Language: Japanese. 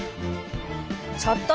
ちょっと！